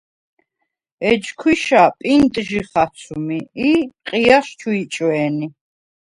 ეჯ ქვიშა პინტჟი ხაცვმი ი ყიჲას ჩუ იჭვე̄ნი.